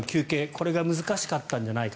これが難しかったんじゃないか。